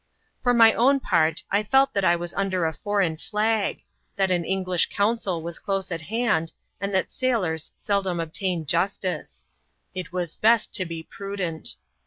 For my own part, I felt that I was under a foreign flag; that an English consul was close at hand, and that sailors sel dom obtain justice. It was best to be prudent.